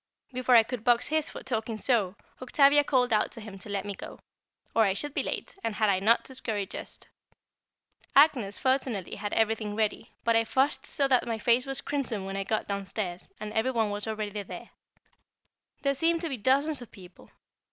Before I could box his for talking so, Octavia called out to him to let me go, or I should be late, and had I not to scurry just? Agnès fortunately had everything ready, but I fussed so that my face was crimson when I got downstairs, and every one was already there. There seemed to be dozens of people.